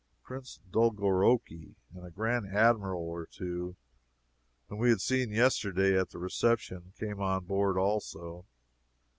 Prince Dolgorouki and a Grand Admiral or two, whom we had seen yesterday at the reception, came on board also.